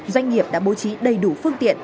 doanh nghiệp đã bố trí đầy đủ phương tiện